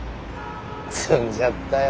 詰んじゃったよ。